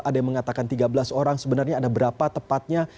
ada yang mengatakan tiga belas orang sebenarnya ada berapa tepatnya